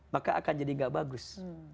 maka akan jadi gak bagus